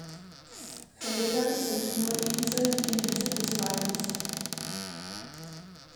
Felder sind nur Inseln inmitten des Waldes.